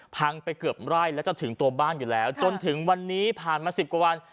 พังไปเกือบไร่แล้วจะถึงตัวบ้านอยู่แล้วจนถึงวันนี้ผ่านมา๑๐กว่าวัน